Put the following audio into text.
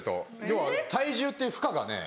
要は体重っていう負荷がね